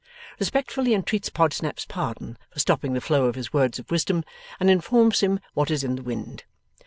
Respectfully entreats Podsnap's pardon for stopping the flow of his words of wisdom, and informs him what is in the wind.